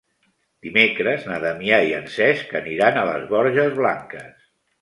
Dimecres na Damià i en Cesc aniran a les Borges Blanques.